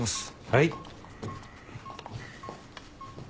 はい。